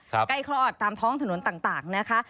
ใกล้คลอดตามท้องถนนต่างนะคะ